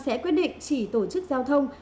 sẽ quyết định chỉ tổ chức giao thông